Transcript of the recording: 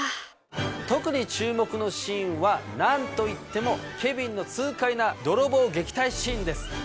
特に注目のシーンは何といってもケビンの痛快な泥棒撃退シーンです。